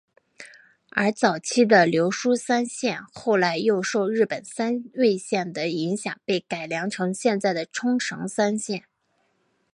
而早期的琉球三线后来又受日本三味线的影响被改良成现在的冲绳三线。